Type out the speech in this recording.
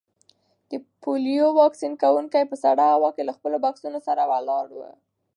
د پولیو واکسین کونکي په سړه هوا کې له خپلو بکسونو سره ولاړ وو.